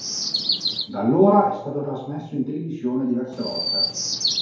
Da allora è stato trasmesso in televisione diverse volte.